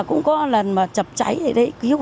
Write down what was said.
cũng có lần mà chập trạng